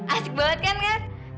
asik banget kan kan